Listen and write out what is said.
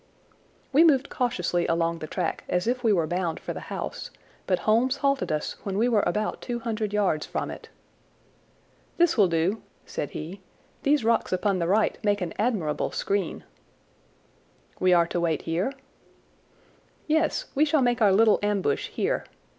We moved cautiously along the track as if we were bound for the house, but Holmes halted us when we were about two hundred yards from it. "This will do," said he. "These rocks upon the right make an admirable screen." "We are to wait here?" "Yes, we shall make our little ambush here.